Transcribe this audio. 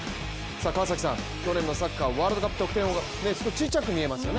川崎さん、去年のサッカーワールドカップ得点王が小さく見えますよね。